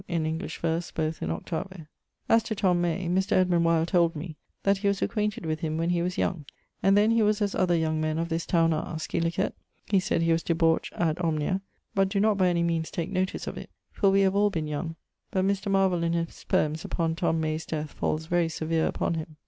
in English verse, both in 8vo. As to Tom May, Mr. Edmund Wyld told me that he was acquainted with him when he was young, and then he was as other young men of this towne are, scil. he said he was debaucht ad omnia: but doe not by any meanes take notice of it for we have all been young. But Mr. Marvel in his poems upon Tom May's death falls very severe upon him.